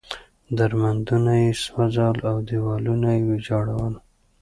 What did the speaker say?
درمندونه یې سوځول او دېوالونه یې ویجاړول.